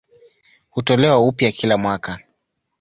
Hutolewa upya kila mwaka.